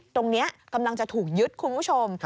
ตรงนี้กำลังจะถูกยึดคุณผู้ชม